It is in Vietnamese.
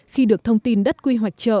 khi được thông tin đất quy hoạch chợ